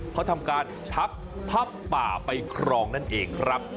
เขาทำการชักผ้าป่าไปครองนั่นเองครับ